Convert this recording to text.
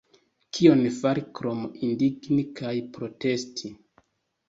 Kion fari krom indigni kaj protesti?